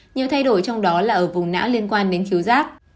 nhiều thay đổi trong đó là ở vùng não liên quan đến khiếu giác